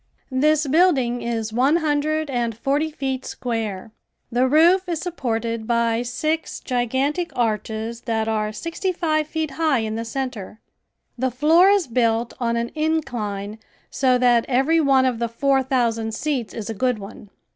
This building is one hundred and forty feet square. The roof is supported by six gigantic arches that are sixty five feet high in the center. The floor is built on an incline so that every one of the four thousand seats is a good one.